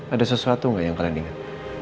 ada sesuatu gak yang kalian ingat